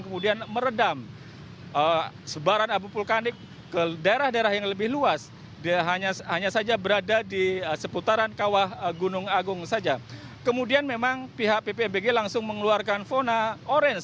kemudian memang pihak ppmbg langsung mengeluarkan fauna orange